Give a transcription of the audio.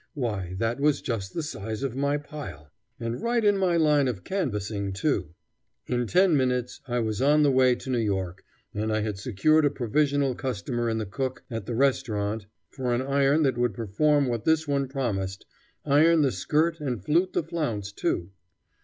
Why, that was just the size of my pile. And right in my line of canvassing, too! In ten minutes it was on the way to New York and I had secured a provisional customer in the cook at the restaurant for an iron that would perform what this one promised, iron the skirt and flute the flounce too.